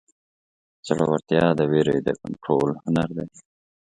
زړهورتیا د وېرې د کنټرول هنر دی.